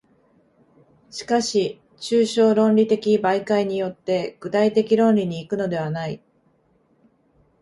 しかし抽象論理的媒介によって具体的論理に行くのではない。